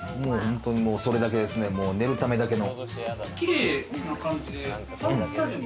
それだけですね、寝るためだけの。